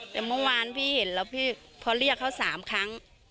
แต่เมื่อวานพี่เห็นแล้วพี่พอเรียกเขา๓ครั้ง